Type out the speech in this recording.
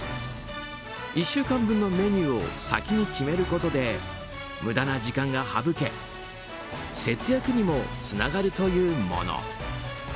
１週間分のメニューを先に決めることで無駄な時間が省け節約にもつながるというもの。